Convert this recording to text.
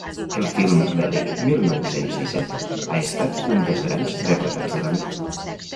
El film bèl·lic mil nou-cents disset ha estat un dels grans derrotats de la nit.